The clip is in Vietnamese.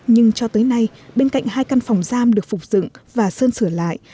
nhưng cho tới nay bên cạnh hai căn phòng giam được phục dựng và sơn sửa lại